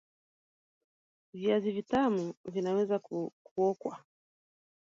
Viazi vitamu vinaweza kuokwa